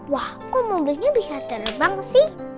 wah kok mobilnya bisa terbang sih